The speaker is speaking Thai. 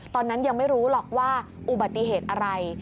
ตอนนั้นยังไม่รู้หรอกว่าอุบัติเหตุอะไร